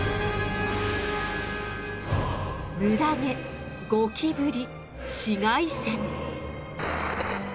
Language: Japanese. ムダ毛ゴキブリ紫外線。